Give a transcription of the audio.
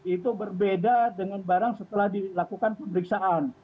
itu berbeda dengan barang setelah dilakukan pemeriksaan